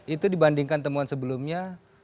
itu dibandingkan temuan sebelumnya